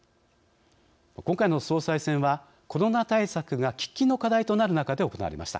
今回の総裁選はコロナ対策が喫緊の課題となる中で行われました。